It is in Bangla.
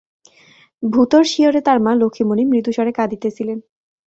ভূতোর শিয়রে তার মা লক্ষ্মীমণি মৃদুস্বরে কাঁদিতেছিলেন।